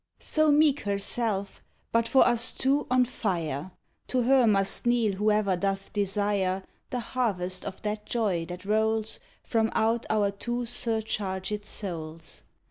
So meek herself, but for us two on fire; To her must kneel whoever doth desire The harvest of that joy that rolls From out our two surchargèd souls.